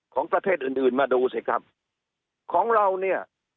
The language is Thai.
ของประเทศอื่นอื่นมาดูสิครับของเราเนี่ย